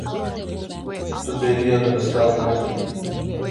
Tu bêriya dibistanê nakî.